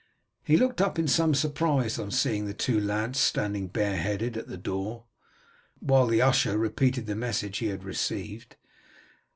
He looked up in some surprise on seeing the two lads standing bareheaded at the door, while the usher repeated the message he had received.